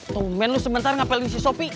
tumben lo sebentar ngapain lu si sopi